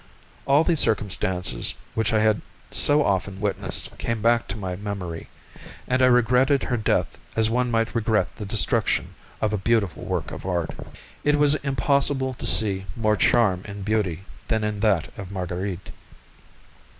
All these circumstances which I had so often witnessed came back to my memory, and I regretted her death as one might regret the destruction of a beautiful work of art. It was impossible to see more charm in beauty than in that of Marguerite.